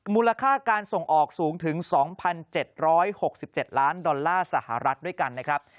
มูลค่าการส่งออกสูงถึง๒๗๖๗ล้านดอลลาร์สหรัฐด้วยกันนะครับ